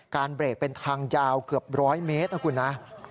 เบรกเป็นทางยาวเกือบร้อยเมตรนะคุณนะ